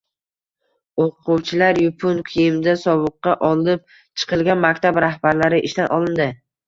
O‘quvchilari yupun kiyimda sovuqqa olib chiqilgan maktab rahbarlari ishdan olindi